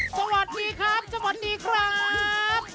สวัสดีครับสวัสดีครับ